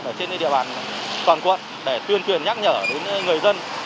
lực lượng công an trên địa bàn toàn quận để tuyên truyền nhắc nhở đến người dân